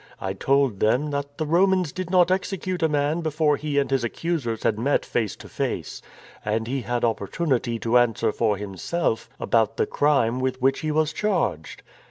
I told them that the Romans did not execute a man before he and his accusers had met face to face, and he had opportunity to answer for himself about the crime with which he was charged.